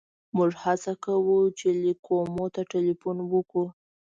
موږ هڅه کوو چې لېک کومو ته ټېلیفون وکړو.